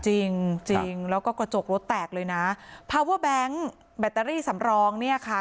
จริงจริงแล้วก็กระจกรถแตกเลยนะแบตเตอรี่สำรองเนี้ยค่ะ